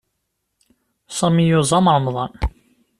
Sami yuẓam Remḍan.